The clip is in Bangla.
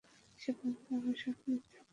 সে বলছে, আমি সব মিথ্যা বলছি।